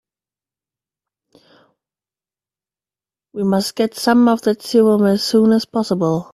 We must get some of that serum as soon as possible.